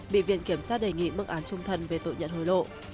bị viện kiểm soát đề nghị mức án trung thân về tội nhận hồi lộ